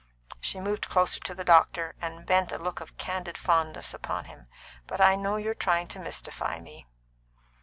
She moved closer to the doctor, and bent a look of candid fondness upon him. "But I know you're trying to mystify me."